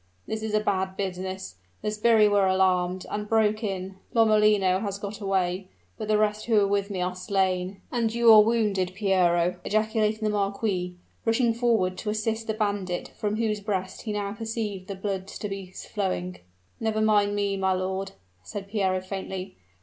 "This is a bad business the sbirri were alarmed, and broke in Lomellino has got away, but the rest who were with me are slain " "And you are wounded, Piero," ejaculated the marquis, rushing forward to assist the bandit, from whose breast he now perceived the blood to be flowing. "Never mind me, my lord!" said Piero faintly.